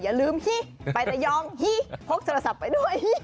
อย่าลืมสิไประยองฮิพกโทรศัพท์ไปด้วย